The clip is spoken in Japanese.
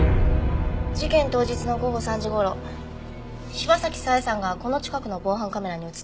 事件当日の午後３時頃柴崎佐江さんがこの近くの防犯カメラに映っていました。